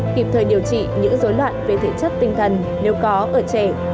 kịp thời điều trị những dối loạn về thể chất tinh thần nếu có ở trẻ